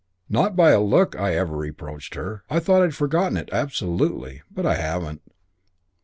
Not by a look I ever reproached her. I thought I'd forgotten it, absolutely. But I haven't.